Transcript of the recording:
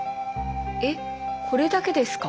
えっこれだけですか？